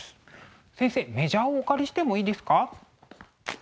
先生メジャーをお借りしてもいいですか？